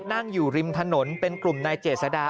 นั่งอยู่ริมถนนเป็นกลุ่มนายเจษดา